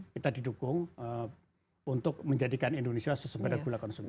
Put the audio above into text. kita didukung untuk menjadikan indonesia sesempatan gula konsumen